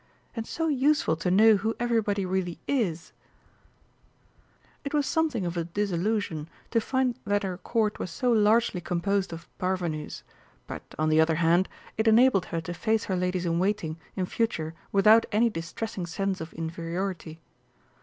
And so useful to know who everybody really is!" It was something of a disillusion to find that her Court was so largely composed of parvenus, but, on the other hand, it enabled her to face her ladies in waiting in future without any distressing sense of inferiority.